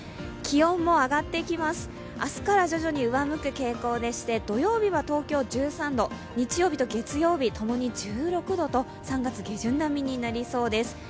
気温も上がっていきます、明日から徐々に上向く傾向でして、土曜日は東京１３度日曜日と月曜日、共に１６度と３月下旬並みになりそうです。